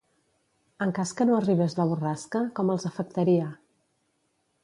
En cas que no arribés la borrasca, com els afectaria?